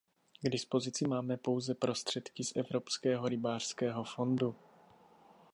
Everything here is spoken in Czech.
K dispozici máme pouze prostředky z Evropského rybářského fondu.